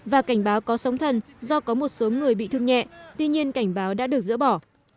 và cảnh báo có sóng thần do có một số người bị thương nhẹ tuy nhiên cảnh báo đã được dỡ bỏ